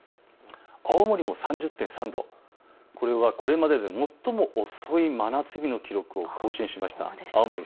青森も３０．３度、これはこれまでで最も遅い真夏日の記録を更新しました。